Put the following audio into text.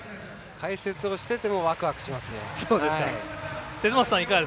解説をしててもワクワクしますね。